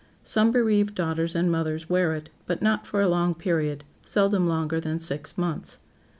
Some bereaved daughters and mothers wear it, but not for a long period, seldom longer than six months.